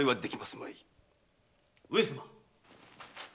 ・上様。